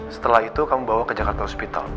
setelah itu kamu bawa ke jakarta hospital